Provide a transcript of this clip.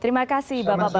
terima kasih bapak bapak